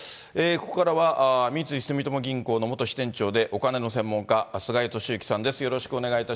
ここからは三井住友銀行の元支店長で、お金の専門家、菅井敏之さんです。